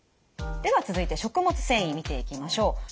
では続いて食物繊維見ていきましょう。